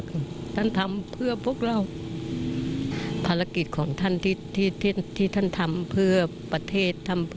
ก็ลำบากก็ต้องเอาเพราะ